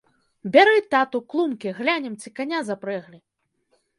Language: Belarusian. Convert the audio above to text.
Бяры, тату, клумкі, глянем, ці каня запрэглі.